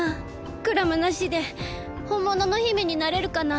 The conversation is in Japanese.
クラムなしでほんものの姫になれるかな？